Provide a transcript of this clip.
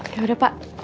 ya udah pak